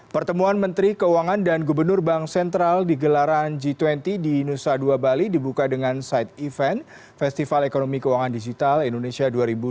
pertemuan menteri keuangan dan gubernur bank sentral di gelaran g dua puluh di nusa dua bali dibuka dengan side event festival ekonomi keuangan digital indonesia dua ribu dua puluh